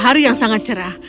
hari yang sangat cerah